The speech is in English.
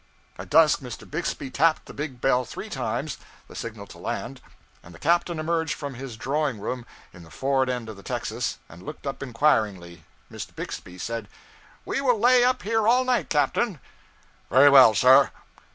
At dusk Mr. Bixby tapped the big bell three times (the signal to land), and the captain emerged from his drawing room in the forward end of the texas, and looked up inquiringly. Mr. Bixby said 'We will lay up here all night, captain.' 'Very well, sir.'